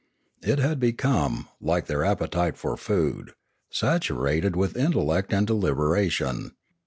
It had become, like their appetite for food, saturated with intellect and deliberation.